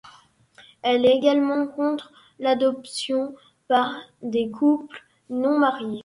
Elle est également contre l'adoption par des couples non mariés.